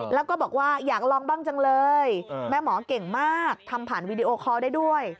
แล้วก็บอกว่าอยากลองบ้างจังเลยแม่หมอเก่งมากทำผ่านวีดีโอคอลได้ด้วย